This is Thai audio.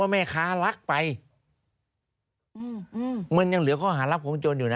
มันยังเหลือข้อหารับของโจรอยู่นะ